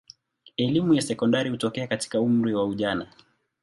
Elimu ya sekondari hutokea katika umri wa ujana.